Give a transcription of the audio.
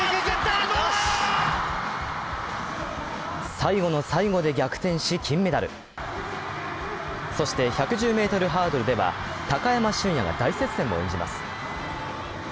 最後の最後で逆転し金メダルそして１１０ｍハードルでは、高山峻野が大接戦を演じます。